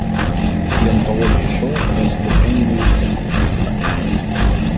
Ён паволі ішоў паўз гуменную сцяну.